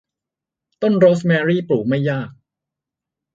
ต้นโรสแมรี่ปลูกไม่ยาก